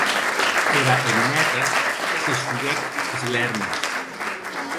Era hemneta se shuguèc es lèrmes.